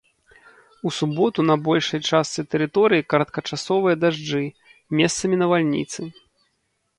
У суботу на большай частцы тэрыторыі кароткачасовыя дажджы, месцамі навальніцы.